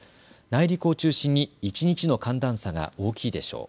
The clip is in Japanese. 内陸を中心に一日の寒暖差が大きいでしょう。